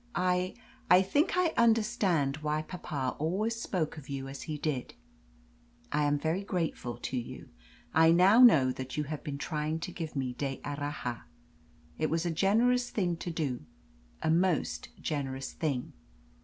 I I think I understand why papa always spoke of you as he did. I am very grateful to you. I know now that you have been trying to give me D'Erraha. It was a generous thing to do a most generous thing.